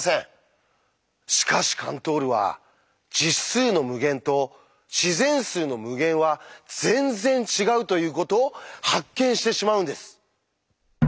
しかしカントールは「実数の無限」と「自然数の無限」は全然違うということを発見してしまうんです！